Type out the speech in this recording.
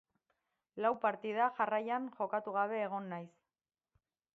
Lau partida jarraian jokatu gabe egon naiz.